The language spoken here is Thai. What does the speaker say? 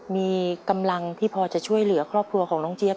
มีกำลังที่พอจะช่วยเหลือครอบครัวของน้องเจี๊ยบ